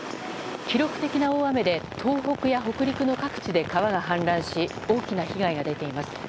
記録的な大雨で東北や北陸の各地で川が氾濫し大きな被害が出ています。